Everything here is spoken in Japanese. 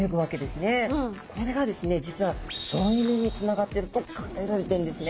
これがですね実は省エネにつながってると考えられてるんですね。